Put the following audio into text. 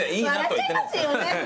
笑っちゃいますよね。